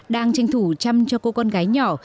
đang tranh thủ chăm cho cô con gái nhỏ